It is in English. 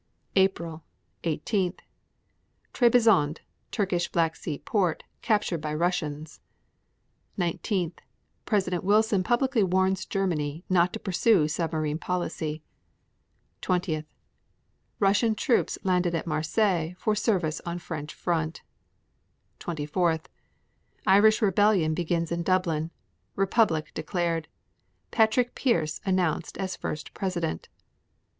April 18. Trebizond, Turkish Black Sea port, captured by Russians. 19. President Wilson publicly warns Germany not to pursue submarine policy. 20. Russian troops landed at Marseilles for service on French front. 24. Irish rebellion begins in Dublin. Republic declared. Patrick Pearse announced as first president.